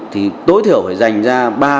thì tối thiểu phải dành ra ba